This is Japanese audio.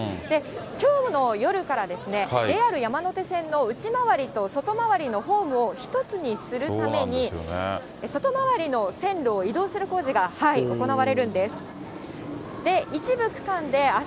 きょうの夜からＪＲ山手線の内回りと外回りのホームを１つにするために、外回りの線路を移動する工事が行われるんです。